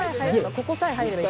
ここさえ入ればいける。